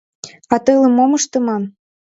А телым мом ыштыман?